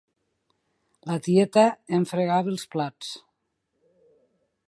La tieta Em fregava els plats.